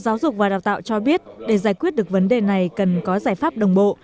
giáo dục và đào tạo cho biết để giải quyết được vấn đề này cần có giải pháp đồng bộ